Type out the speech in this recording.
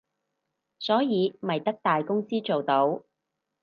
所以咪得大公司做到